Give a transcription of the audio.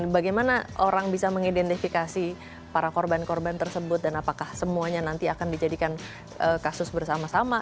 bagaimana orang bisa mengidentifikasi para korban korban tersebut dan apakah semuanya nanti akan dijadikan kasus bersama sama